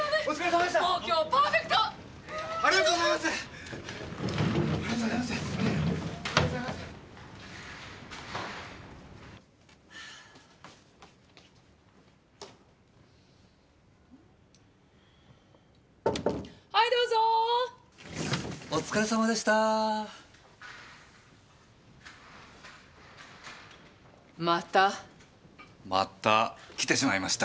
また来てしまいましたふふふっ。